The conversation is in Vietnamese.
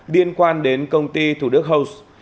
đã đưa công an đến công ty thủ đức house